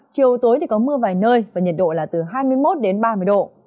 chiều tối thì có mưa vài nơi và nhiệt độ là từ hai mươi một đến ba mươi độ